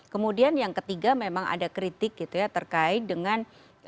kemudian yang ketiga memang ada kritik gitu ya terkait dengan